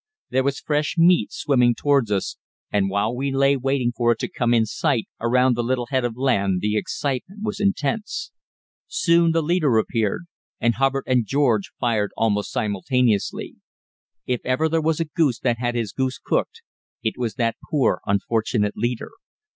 There was fresh meat swimming towards us, and while we lay waiting for it to come in sight around the little head of land the excitement was intense. Soon the leader appeared, and Hubbard and George fired almost simultaneously. If ever there was a goose that had his goose cooked, it was that poor, unfortunate leader.